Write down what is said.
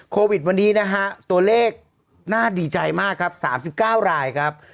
โควิดวันนี้นะฮะตัวเลขน่าดีใจมากครับ๓๙รายครับ